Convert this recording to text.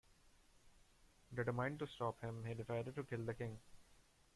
Determined to stop him, he decided to kill the king.